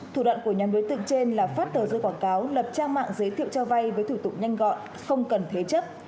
thủ đoạn của nhóm đối tượng trên là phát tờ rơi quảng cáo lập trang mạng giới thiệu cho vay với thủ tục nhanh gọn không cần thế chấp